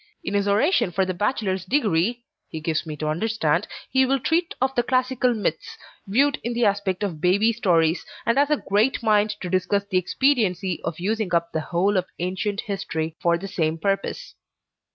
In his oration for the bachelor's degree, he gives me to understand, he will treat of the classical myths, viewed in the aspect of baby stories, and has a great mind to discuss the expediency of using up the whole of ancient history, for the same purpose.